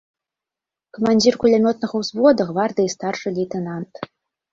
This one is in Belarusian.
Камандзір кулямётнага ўзвода, гвардыі старшы лейтэнант.